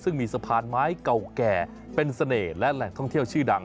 ซึ่งมีสะพานไม้เก่าแก่เป็นเสน่ห์และแหล่งท่องเที่ยวชื่อดัง